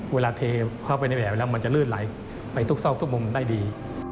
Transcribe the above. เวลาเทเข้าไปในแบบแล้วมันจะลื่นไหลไปทุกซอกทุกมุมได้ดี